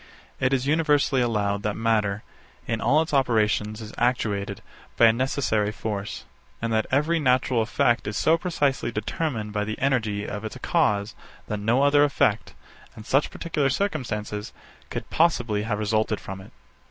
64. It is universally allowed that matter, in all its operations, is actuated by a necessary force, and that every natural effect is so precisely determined by the energy of its cause that no other effect, in such particular circumstances, could possibly have resulted from it.